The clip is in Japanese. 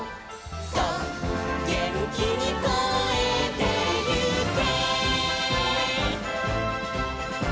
「そうげんきにこえてゆけ」